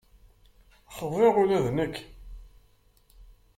Xḍiɣ ula d nekk.